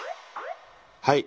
はい。